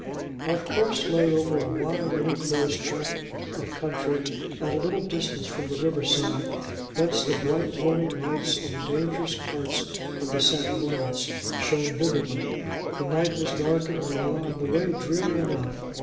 Our course lay over a wide, uninclosed tract of country at a little distance from the river side, whence the bright warning lights on the dangerous parts of the St. Lawrence shone vividly. The night was dark and raw, and the way dreary enough.